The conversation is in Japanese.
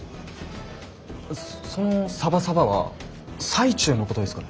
そのサバサバは最中のことですかね？